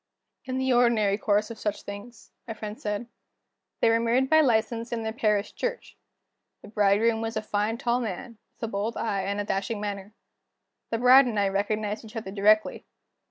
"In the ordinary course of such things," my friend said. "They were married by license, in their parish church. The bridegroom was a fine tall man, with a bold eye and a dashing manner. The bride and I recognized each other directly.